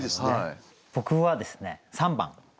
僕はですね３番。